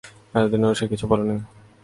এতদিনেও সে কিছুই বলেনি।